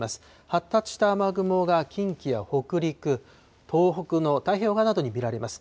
発達した雨雲が近畿や北陸、東北の太平洋側などに見られます。